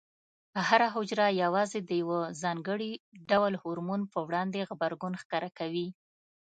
هره حجره یوازې د یو ځانګړي ډول هورمون په وړاندې غبرګون ښکاره کوي.